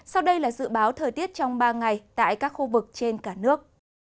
sau đây là dự báo thời tiết trong ba ngày tại các khu vực trên cả nước